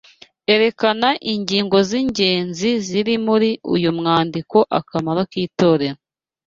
Erekana ingingo z’ingenzi ziri muri uyu mwandiko Akamaro k’itorero